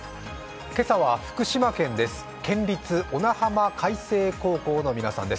今朝は福島県です。